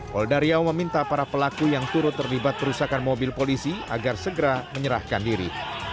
polda riau meminta para pelaku yang turut terlibat perusakan mobil polisi agar segera menyerahkan diri